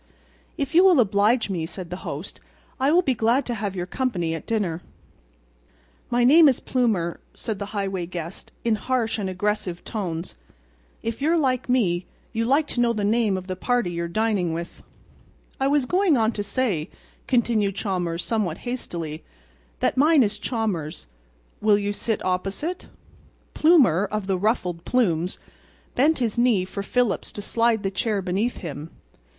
"If you will oblige me," said the host, "I will be glad to have your company at dinner." "My name is Plumer," said the highway guest, in harsh and aggressive tones. "If you're like me, you like to know the name of the party you're dining with." "I was going on to say," continued Chalmers somewhat hastily, "that mine is Chalmers. Will you sit opposite?" Plumer, of the ruffled plumes, bent his knee for Phillips to slide the chair beneath him.